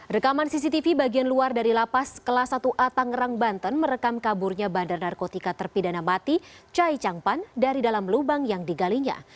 rekaman cctv bagian luar dari lapas kelas satu a tangerang banten merekam kaburnya bandar narkotika terpidana mati chai changpan dari dalam lubang yang digalinya